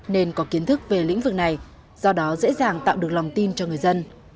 nên có kiến thức về lĩnh vực này do đó dễ dàng tạo được lòng tin cho người dân